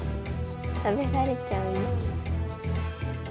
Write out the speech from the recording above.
食べられちゃうよ。